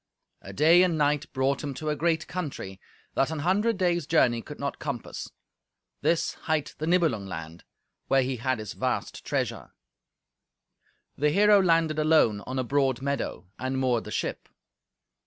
A day and a night brought him to a great country that an hundred days' journey could not compass; this hight the Nibelung land, where he had his vast treasure. The hero landed alone on a broad meadow, and moored the ship.